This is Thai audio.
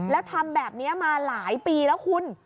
แล้วทำแบบนี้มาหลายปีแล้วคุณ